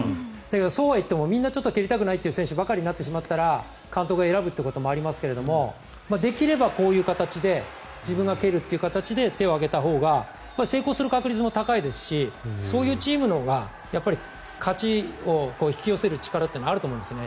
そうは言ってもみんな蹴りたくないという選手ばかりになってしまったら監督が選ぶこともありますけどできればこういう形で自分が蹴るっていう形で手を挙げたほうが成功する確率も高いですしそういうチームのほうが勝ちを引き寄せる力というのはあると思うんですね。